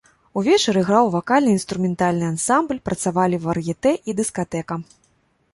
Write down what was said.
Увечар іграў вакальна-інструментальны ансамбль, працавалі вар'етэ і дыскатэка.